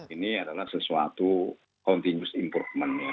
ini adalah sesuatu kontinus improvementnya